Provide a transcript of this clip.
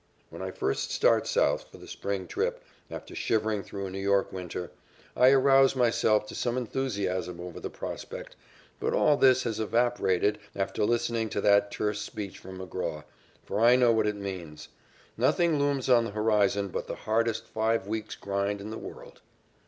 When I first start South, for the spring trip, after shivering through a New York winter, I arouse myself to some enthusiasm over the prospect, but all this has evaporated after listening to that terse speech from McGraw, for I know what it means. Nothing looms on the horizon but the hardest five weeks' grind in the world.